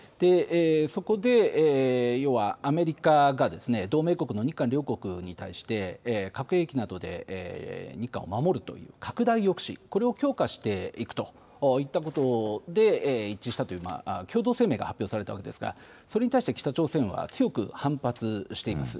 そこでアメリカが同盟国の日韓両国に対して核兵器などで日韓を守るという、拡大抑止を強化していくということで一致したという共同声明が発表されたんですがそれに対し北朝鮮は強く反発しています。